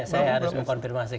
saya harus mengkonfirmasi